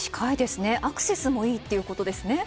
アクセスもいいということですね。